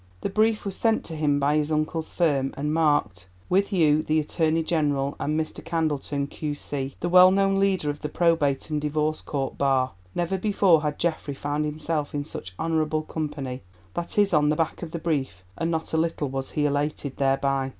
The brief was sent to him by his uncle's firm, and marked, "With you the Attorney General, and Mr. Candleton, Q.C.," the well known leader of the Probate and Divorce Court Bar. Never before had Geoffrey found himself in such honourable company, that is on the back of a brief, and not a little was he elated thereby.